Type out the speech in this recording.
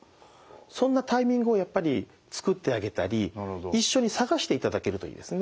そんなタイミングをやっぱり作ってあげたり一緒に探していただけるといいですね。